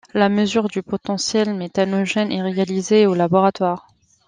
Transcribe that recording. La mesure du potentiel méthanogène est réalisée au laboratoire.